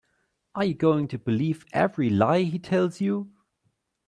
Are you going to believe every lie he tells you?